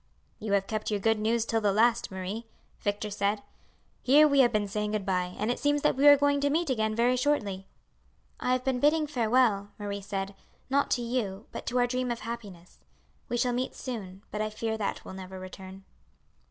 "You have kept your good news till the last, Marie," Victor said. "Here have we been saying good bye, and it seems that we are going to meet again very shortly." "I have been bidding farewell," Marie said, "not to you, but to our dream of happiness. We shall meet soon, but I fear that will never return."